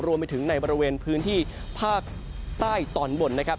รวมไปถึงในบริเวณพื้นที่ภาคใต้ตอนบนนะครับ